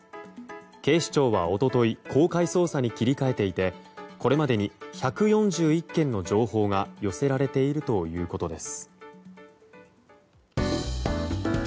警視庁は一昨日公開捜査に切り替えていてこれまでに１４１件の情報が寄せられているということです。